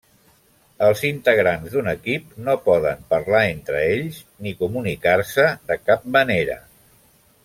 Els integrants d'un equip no poden parlar entre ells, ni comunicar-se de cap manera.